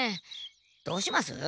どうします？